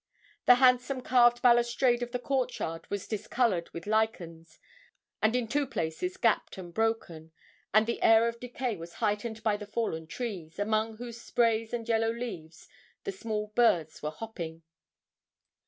The handsome carved balustrade of the court yard was discoloured with lichens, and in two places gapped and broken; and the air of decay was heightened by the fallen trees, among whose sprays and yellow leaves the small birds were hopping.